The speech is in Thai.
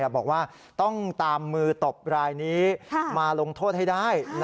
บอกว่าต้องตามมือตบรายนี้มาลงโทษให้ได้